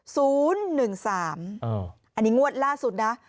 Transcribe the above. ศูนย์หนึ่งสามอันนี้งวดล่าสุดนะ